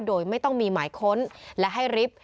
โดยไม่ต้องมีหมายค้นและให้ริบ